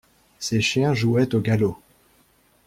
Ses chiens jouaient au galop.